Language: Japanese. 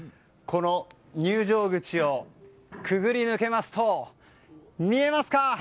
この入場口を潜り抜けますと見えますか？